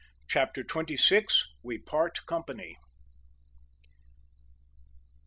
CHAPTER TWENTY SIX. WE PART COMPANY.